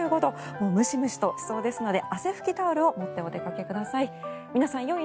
もうムシムシとしそうですので汗拭きタオルを持ってお出かけください。